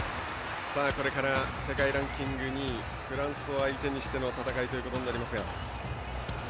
これから世界ランキング２位フランスを相手にしての戦いとなります。